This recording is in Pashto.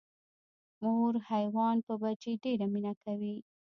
مور حیوان په بچي ډیره مینه کوي